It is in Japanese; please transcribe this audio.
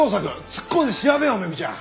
突っ込んで調べようメグちゃん。